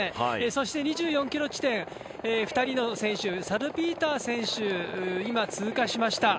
そして、２４ｋｍ地点２人の選手、サルピーター選手、通過しました。